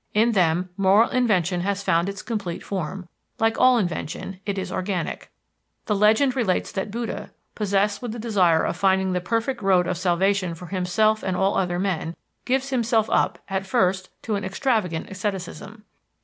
In them moral invention has found its complete form; like all invention, it is organic. The legend relates that Buddha, possessed with the desire of finding the perfect road of salvation for himself and all other men, gives himself up, at first, to an extravagant asceticism.